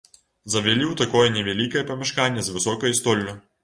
Завялі ў такое невялікае памяшканне з высокай столлю.